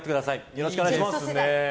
よろしくお願いします。